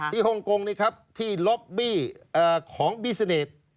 ฮ่องกงนี่ครับที่ล็อบบี้ของบี้เซเนต